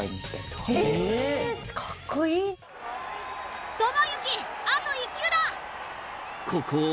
かっこいいな。